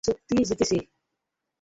আমরা চুক্তি জিতেছি।